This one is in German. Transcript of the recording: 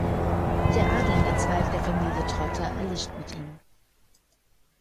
Der adelige Zweig der Familie Trotta erlischt mit ihm.